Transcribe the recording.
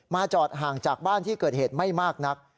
จอดห่างจากบ้านที่เกิดเหตุไม่มากนัก